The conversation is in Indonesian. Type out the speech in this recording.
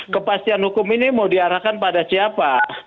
kepastian hukum ini mau diarahkan pada siapa